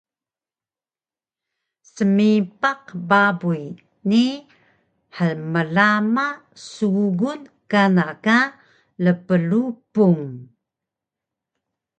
smipaq babuy ni hmlama sugun kana ka lplupung